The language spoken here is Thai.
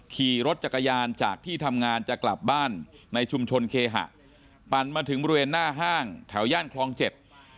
ขี่รถจักรยานจากที่ทำงานจะกลับบ้านในชุมชนเคหะปั่นมาถึงบริเวณหน้าห้างแถวย่านคลองเจ็ด